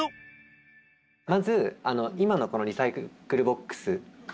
まず今のリサイクルボックス